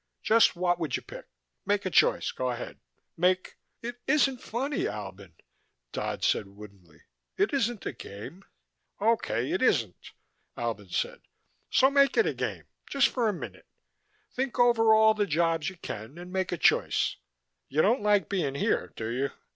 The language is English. Just what would you pick? Make a choice. Go ahead, make " "It isn't funny, Albin," Dodd said woodenly. "It isn't a game." "Okay, it isn't," Albin said. "So make it a game. Just for a minute. Think over all the jobs you can and make a choice. You don't like being here, do you?